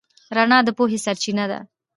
رڼا د پوهې سرچینه ده.